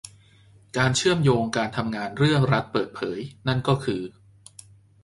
การเชื่อมโยงการทำงานเรื่องรัฐเปิดเผยนั่นก็คือ